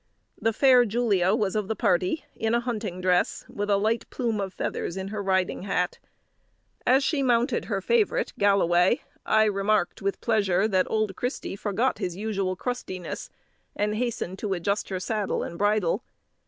The fair Julia was of the party, in a hunting dress, with a light plume of feathers in her riding hat. As she mounted her favourite Galloway, I remarked, with pleasure, that old Christy forgot his usual crustiness, and hastened to adjust her saddle and bridle.